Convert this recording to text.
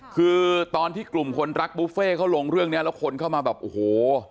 คือตอนที่กลุ่มคนรักบุฟเฟ่เขาลงเรื่องนี้แล้วคนเข้ามาแบบโอ้โห